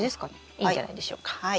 いいんじゃないでしょうか。